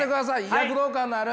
躍動感のある！